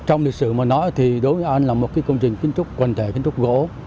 trong lịch sử mà nói thì hội an là một công trình kiến trúc quần thể kiến trúc gỗ